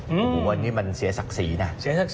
โอ้โหวันนี้มันเสียศักดิ์ศรีนะ